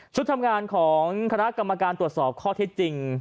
ทำงานของคณะกรรมการตรวจสอบข้อเท็จจริง